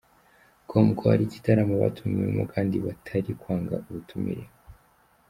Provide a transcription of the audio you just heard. com ko ari igitaramo batumiwemo kandi batari kwanga ubutumire.